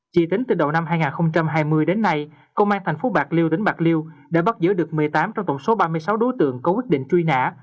chỉ tính từ đầu năm hai nghìn hai mươi đến nay công an tp bạc liêu tỉnh bạc liêu đã bắt giữ được một mươi tám trong tổng số ba mươi sáu đối tượng có quyết định truy nã